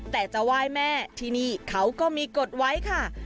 แต่จะไหว้แม่ที่นี่เขาก็มีกฎไว้ค่ะ